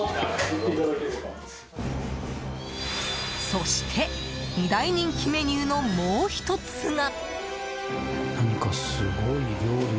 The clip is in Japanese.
そして、二大人気メニューのもう１つが。